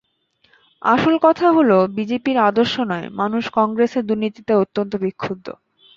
আসল কথা হলো, বিজেপির আদর্শ নয়, মানুষ কংগ্রেসের দুর্নীতিতে অত্যন্ত বিক্ষুব্ধ।